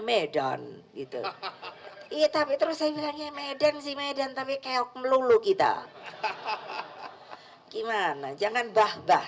medan gitu iya tapi terus saya bilangnya medan sih medan tapi kayak melulu kita hahaha gimana jangan bah bah